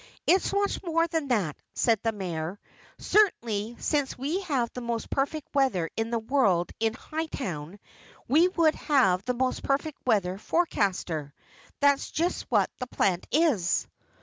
"It's much more than that," said the Mayor. "Certainly since we have the most perfect weather in the world in Hightown, we would have the most perfect weather forecaster. That's just what the plant is."